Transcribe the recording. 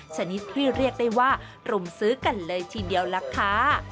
ชนิดที่เรียกได้ว่ารุมซื้อกันเลยทีเดียวล่ะค่ะ